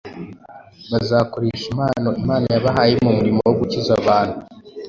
bazakoresha impano Imana yabahaye mu murimo wo gukiza abantu.